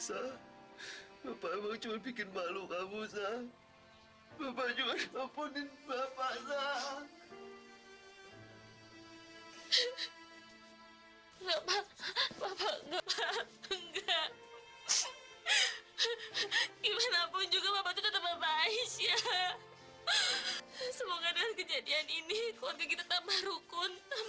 sudah pak bapak saja yang makan